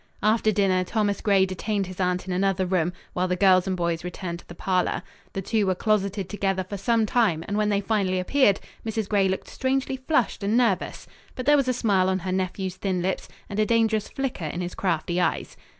After dinner Thomas Gray detained his aunt in another room, while the girls and boys returned to the parlor. The two were closeted together for some time, and when they finally appeared, Mrs. Gray looked strangely flushed and nervous. But there was a smile on her nephew's thin lips and a dangerous flicker in his crafty eyes.